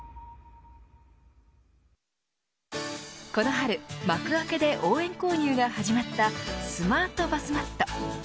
この春マクアケで応援購入が始まったスマートバスマット。